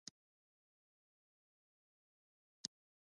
د مخ د پوستکي د ګډوډۍ لپاره کوم ماسک وکاروم؟